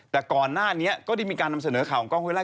แต่ก่อนหน้านี้ก็ได้มีการนำเสนอข่าวของกล้องห้วไ